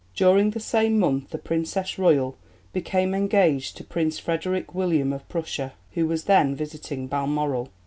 During the same month the Princess Royal became engaged to Prince Frederick William of Prussia, who was then visiting Balmoral.